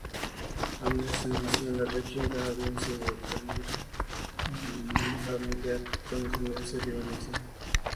Anderssen nació en la región canadiense de Ontario, en una familia con ascendencia libanesa.